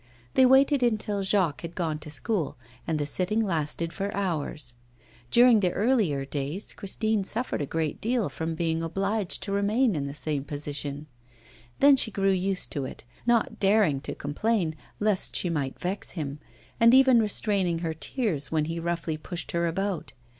They waited until Jacques had gone to school, and the sitting lasted for hours. During the earlier days Christine suffered a great deal from being obliged to remain in the same position; then she grew used to it, not daring to complain, lest she might vex him, and even restraining her tears when he roughly pushed her about.